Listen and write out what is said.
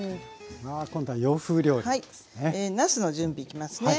あ今度は洋風料理ですね。